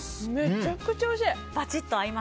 めちゃくちゃおいしい！